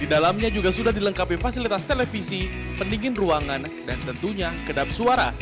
di dalamnya juga sudah dilengkapi fasilitas televisi pendingin ruangan dan tentunya kedap suara